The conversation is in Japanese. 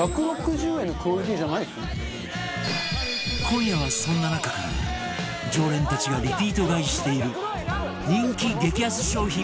今夜はそんな中から常連たちがリピート買いしている人気激安商品